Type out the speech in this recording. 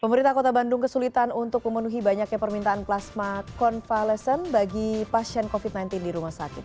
pemerintah kota bandung kesulitan untuk memenuhi banyaknya permintaan plasma konvalesen bagi pasien covid sembilan belas di rumah sakit